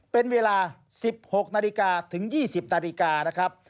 เป็นเวลา๑๖นาฬิกาถึง๒๐นาฬิกานะครับ